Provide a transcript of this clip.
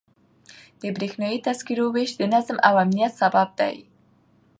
د بریښنایي تذکرو ویش د نظم او امنیت سبب دی.